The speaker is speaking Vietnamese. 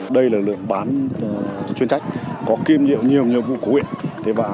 đây là lượng bán chuyên trách có kiêm nhiệm nhiều nhiệm vụ của huyện